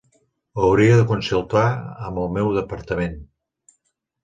Ho hauria de consultar amb el meu departament.